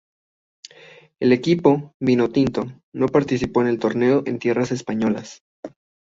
El equipo vinotinto no participó en el torneo en tierras españolas.